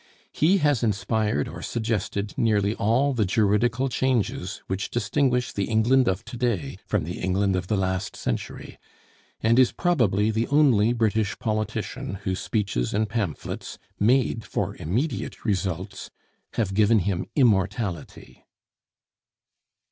He has inspired or suggested nearly all the juridical changes which distinguish the England of to day from the England of the last century, and is probably the only British politician whose speeches and pamphlets, made for immediate results, have given him immortality.